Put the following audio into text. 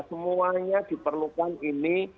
semuanya diperlukan ini